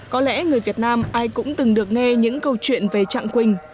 có lẽ người việt nam ai cũng từng được nghe những câu chuyện về trạng quỳnh